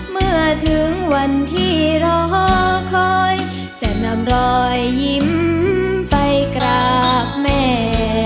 เมื่อถึงวันที่รอคอยจะนำรอยยิ้มไปกราบแม่